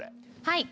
はい。